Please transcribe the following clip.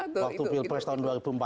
waktu pilpres tahun dua ribu empat belas